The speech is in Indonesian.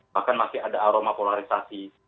bahkan masih ada aroma polarisasi